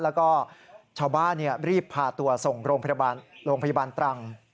แล้วก็ชาวบ้านรีบพาตัวส่งโรงพยาบาลตรัง